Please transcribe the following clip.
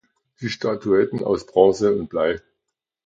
Die Statuetten aus Bronze und Blei".